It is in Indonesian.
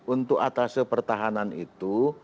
untuk atase pertahanan itu